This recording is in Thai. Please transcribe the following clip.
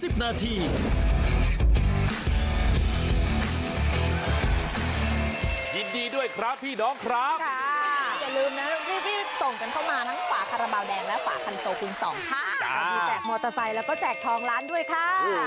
พี่แจกมอเตอร์ไซค์แล้วก็แจกทองร้านด้วยค่ะ